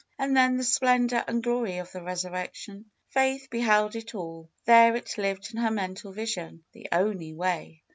And then the splendor and glory of the Resurrection ! Faith be held it all. There it lived in her mental vision. The only way!